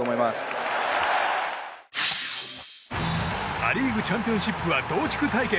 ア・リーグチャンピオンシップは同地区対決。